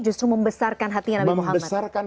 justru membesarkan hati nabi muhammad membesarkan